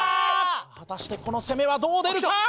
果たしてこの攻めはどう出るか？